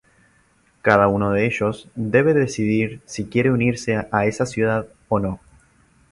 Cada uno de ellos debe decidir si quiere unirse a esa ciudad o no.